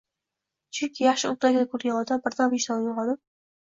Chunki yaxshi o‘rnakni ko‘rgan odam birdan vijdoni uyg‘onib